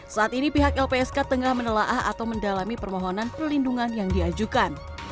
saat ini pihak lpsk tengah menelaah atau mendalami permohonan perlindungan yang diajukan